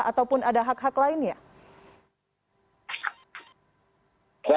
apakah mereka mendapatkan gaji rutin dari pemerintah